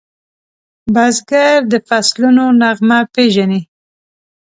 بزګر د فصلونو نغمه پیژني